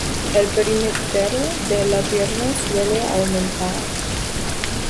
El perímetro de la pierna suele aumentar.